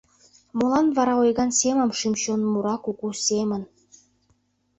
Молан вара ойган семым шӱм-чон мура куку семын?